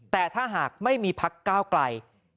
แต่ถ้าหากไม่มีพักก้าวไกล